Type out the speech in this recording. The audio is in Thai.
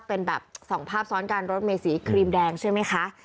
เป็นแบบสองภาพซ้อนกันรถเมสีครีมแดงใช่ไหมคะ